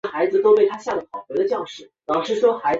湖水流入劳动公园的荷花池。